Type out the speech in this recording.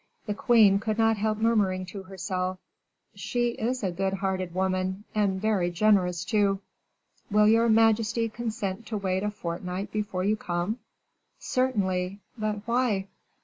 The queen could not help murmuring to herself, "She is a good hearted woman, and very generous, too." "Will your majesty consent to wait a fortnight before you come?" "Certainly; but why?"